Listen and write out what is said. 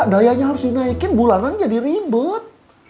daya nya harus dinaikin bulanan jadi ribet